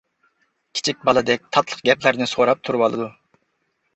كىچىك بالىدەك تاتلىق گەپلەرنى سوراپ تۇرۇۋالىدۇ.